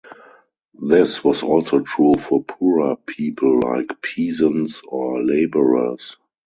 This was also true for poorer people like peasants or laborers.